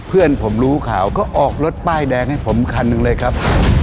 เพื่อนผมรู้ข่าวก็ออกรถป้ายแดงให้ผมคันหนึ่งเลยครับ